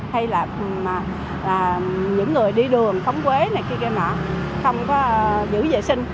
hay là những người đi đường phóng quế này kia kia mà không có giữ vệ sinh